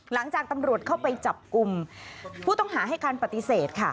หลังจากตำรวจเข้าไปจับกลุ่มผู้ต้องหาให้การปฏิเสธค่ะ